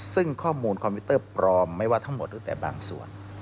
ซึ่งข้อมูลคอมพิวเตอร์ปลอมไม่ว่าทั้งหมดหรือแต่บางส่วน